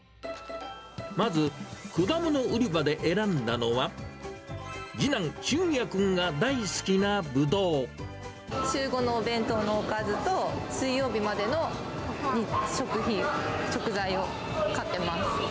まず、果物売り場で選んだのは、次男、週５のお弁当のおかずと、水曜日までの食品、食材を買ってます。